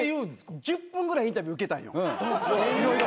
１０分ぐらいインタビュー受けたんよ。